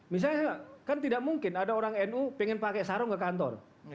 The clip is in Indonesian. misalnya kan tidak mungkin ada orang nu pengen pakai sarung ke kantor